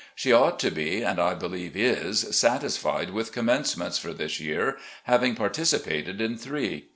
She ought to be, and I believe is, satisfied with commencements for this year, having par ticipated in three.